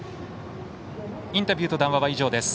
インタビューと談話は以上です。